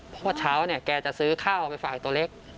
เพราะว่าเช้าเนี่ยแกจะซื้อข้าวไปฝากตัวเล็ก